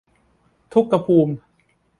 ทุกภูมิ